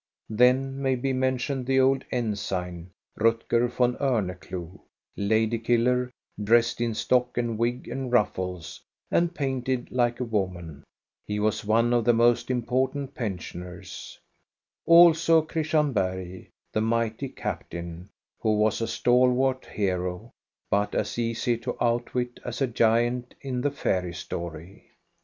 ' Then may be mentioned the. old ensign, Rutger von Omeclou, lady killer, dressed in stock and wig and ruffles, and painted like a woman, — he was one of the most important pensioners ; also Christian Bergh, the mighty captain, who was a stalwart hero, but as easy to outwit as a giant in the fairy story.